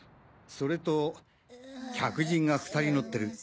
それと客人が２人乗ってる。